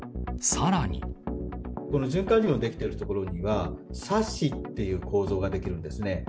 この循環流が出来ている所には、砂嘴っていう構造が出来るんですね。